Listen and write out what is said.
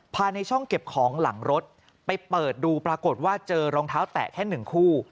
ภายในช่องเก็บของหลังรถไปเปิดดูปรากฏว่าเจอรองเท้าแตะแค่หนึ่งคู่